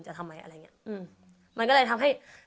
จะทำไม